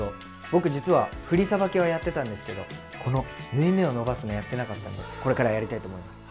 僕実は振りさばきはやってたんですけどこの縫い目を伸ばすのをやってなかったのでこれからはやりたいと思います。